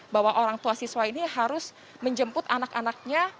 bahwa orang tua siswa ini harus menjemput anak anaknya